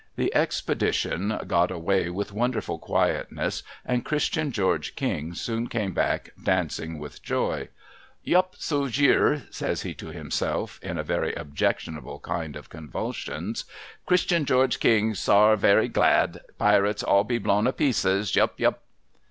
The expedition got away with wonderful quietness, and Christian Oeorge King soon came back dancing with joy, ' \'up, So Jeer,' says he to myself in a very objectionable kind of convulsions, "'Christian (ieorge King sar berry glad. Pirates all be blown a pieces. Yup ! Yup